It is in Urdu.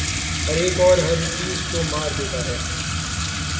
ہر ایک اور ہر چیز کو مار دیتا ہے